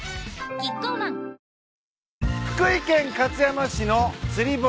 キッコーマン福井県勝山市の釣り堀